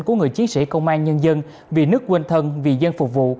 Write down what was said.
của người chiến sĩ công an nhân dân vì nước quên thân vì dân phục vụ